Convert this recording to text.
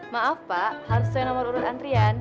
maaf pak harus sesuai nomor urut antrian